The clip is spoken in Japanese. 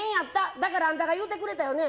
だからあんたがいうてくれたよね。